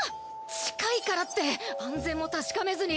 近いからって安全も確かめずに。